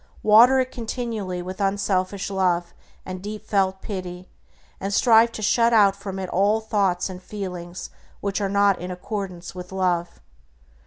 Water it continually with unselfish love and deep felt pity, and strive to shut out from it all thoughts and feelings which are not in accordance with Love.